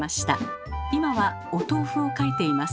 今はお豆腐を描いています。